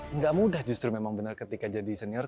enggak mudah justru memang benar ketika jadi senior